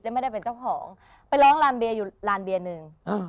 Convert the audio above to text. ไม่ได้เป็นเจ้าของไปร้องลานเบียร์อยู่ลานเบียร์หนึ่ง